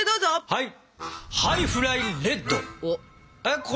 はい。